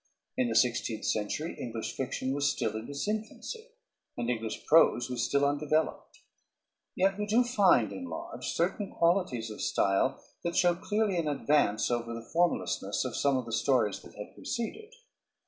In the sixteenth century English fiction was still in its infancy, and English prose was still undeveloped. Yet we do find in Lodge certain qualities of style that show clearly an advance over the formlessness of some of the stories that had preceded.